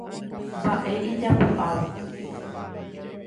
Mba'e ijapu'áva.